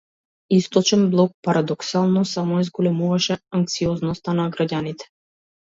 Источен блок, парадоксално, само ја зголемуваше анксиозноста на граѓаните.